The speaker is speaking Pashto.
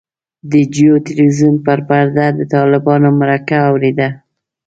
د جیو تلویزیون پر پرده د طالبانو مرکه اورېده.